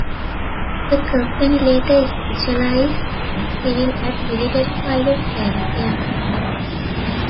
The company later specialised in civil and military pilot training aircraft.